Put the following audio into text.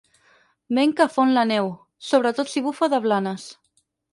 Vent que fon la neu, sobretot si bufa de Blanes.